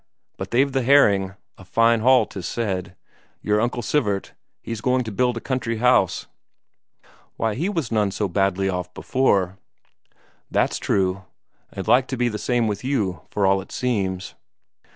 But they've the herring. A fine haul, 'tis said. Your Uncle Sivert, he's going to build a country house." "Why, he was none so badly off before." "That's true. And like to be the same with you, for all it seems."